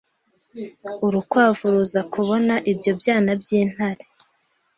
Urukwavu ruza kubona ibyo byana by'intare